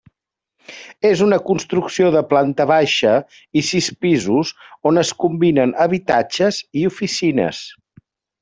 És una construcció de planta baixa i sis pisos on es combinen habitatges i oficines.